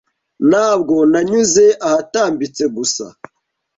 ntabwo nanyuze ahatambitse gusa.